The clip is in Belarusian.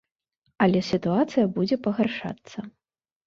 Але сітуацыя будзе пагаршацца.